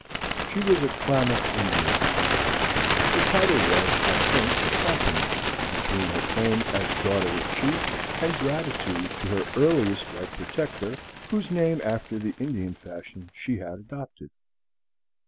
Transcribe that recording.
She was a Klamath Indian. Her title was, I think, a compromise between her claim as daughter of a chief, and gratitude to her earliest white protector, whose name, after the Indian fashion, she had adopted.